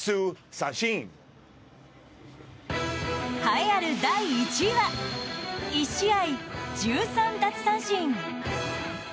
栄えある第１位は１試合１３奪三振。